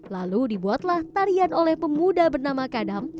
lalu dibuatlah tarian oleh pemuda bernama kadam